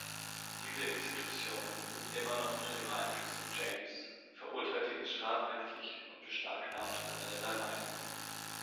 Diese Institution, immer noch unter dem Einfluss von James, verurteilte ihn strafrechtlich und beschlagnahmte seine Ländereien.